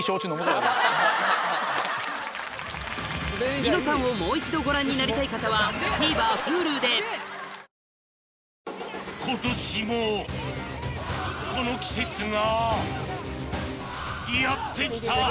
『ニノさん』をもう一度ご覧になりたい方はＴＶｅｒＨｕｌｕで今回は京王電鉄を。